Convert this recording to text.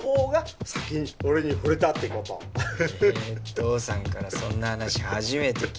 父さんからそんな話初めて聞いたよ。